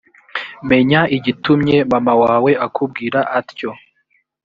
menya igitumye mama wawe akubwira atyo